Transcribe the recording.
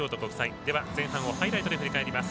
では、前半をハイライトで振り返ります。